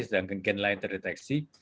sedangkan gen lain terdeteksi